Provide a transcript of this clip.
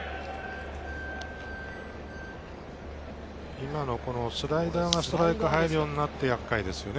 今のスライダーがストライクに入るようになって厄介ですよね